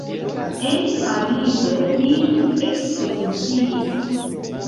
En Parizo li ekspoziciis.